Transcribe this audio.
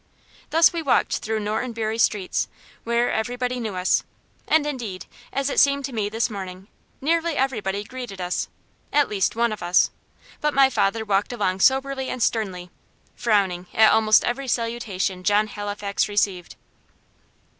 Thus we walked through Norton Bury streets, where everybody knew us, and indeed, as it seemed to me this morning, nearly everybody greeted us at least, one of us; but my father walked along soberly and sternly, frowning at almost every salutation John Halifax received.